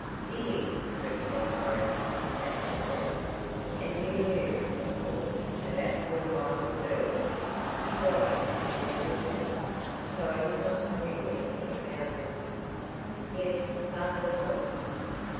"Did he?" replied Dorothy, absently. "And you knew, of course, about poor Miles Burlock he died when you were sick, so I did not tell you anything about it." "Yes, father told me."